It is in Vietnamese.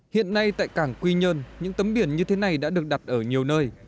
hiện nay tại cảng quy nhơn những tấm biển như thế này đã được đặt ở nhiều nơi